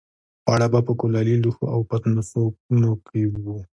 خواړه به په کلالي لوښو او پتنوسونو کې وو.